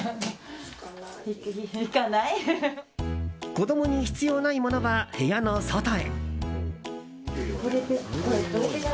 子供に必要ないものは部屋の外へ。